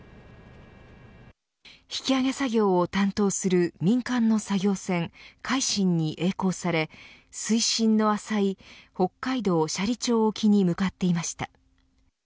引き揚げ作業を担当する民間の作業船、海進にえい航され水深の浅い北海道斜里町沖に向かっていました。